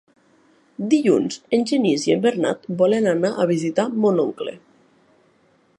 Dilluns en Genís i en Bernat volen anar a visitar mon oncle.